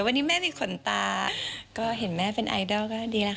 วันนี้แม่มีขนตาก็เห็นแม่เป็นไอดอลก็ดีแล้วค่ะ